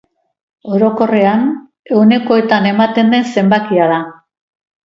Orokorrean ehunekotan ematen den zenbakia da.